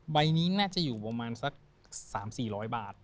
ใบนี้น่าจะอยู่ประมาณสัก๓๔๐๐บาท